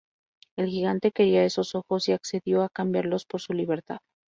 El gigante quería esos ojos y accedió a cambiarlos por su libertad.